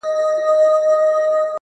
o د طبيعت دې نندارې ته ډېر حيران هم يم؛